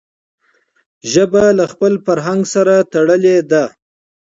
ژبه له خپل فرهنګ سره تړلي ده.